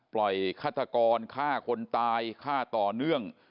ฆาตกรฆ่าคนตายฆ่าต่อเนื่อง